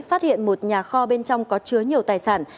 phát hiện một nhà kho bên trong có chứa nhiều tài sản